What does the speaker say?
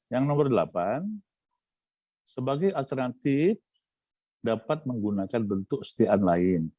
yang nomor delapan sebagai alternatif dapat menggunakan bentuk setiaan lain